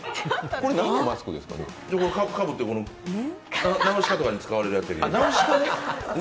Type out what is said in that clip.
これかぶって、「ナウシカ」とかに使われるやつ。